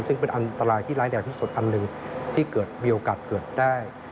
ซึ่งเป็นอันตรายที่ร้ายแรงที่สุดอันหนึ่งที่เกิดมีโอกาสเกิดได้